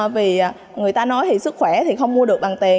vì người ta nói thì sức khỏe thì không mua được bằng tiền